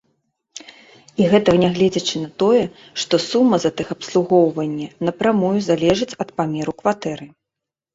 І гэта нягледзячы на тое, што сума за тэхабслугоўванне напрамую залежыць ад памеру кватэры!